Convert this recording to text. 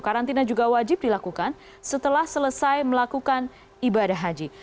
karantina juga wajib dilakukan setelah selesai melakukan ibadah haji